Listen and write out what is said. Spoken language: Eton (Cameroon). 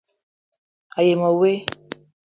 A yi ma woe :